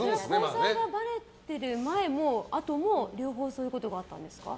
交際がばれている前も後も両方そういうことがあったんですか？